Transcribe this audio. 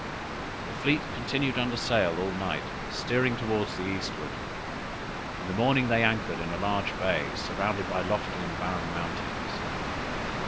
The fleet continued under sail all night, steering towards the eastward. In the morning they anchored in a large bay surrounded by lofty and barren mountains.